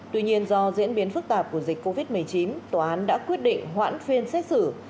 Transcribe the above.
tuy nhiên do diễn biến phức tạp của dịch covid một mươi chín tòa án đã quyết định hoãn phiên xét xử